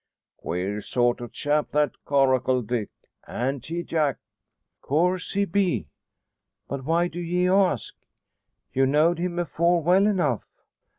"Queer sort o' chap, that Coracle Dick! an't he, Jack?" "Course he be. But why do ye ask? You knowed him afore, well enough."